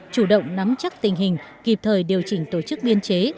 chủ động nắm chắc tình hình kịp thời điều chỉnh tổ chức biên chế